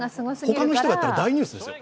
他の人だったら大ニュースですよ。